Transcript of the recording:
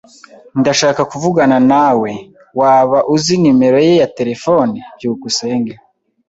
Ndashaka kuvugana nawe. Waba uzi numero ye ya terefone? byukusenge